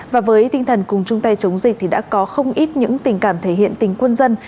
và với tinh thần cùng chung tay chống dịch thì đã có không ít những tình cảm thể hiện tình quân dân